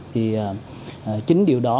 thì chính điều đó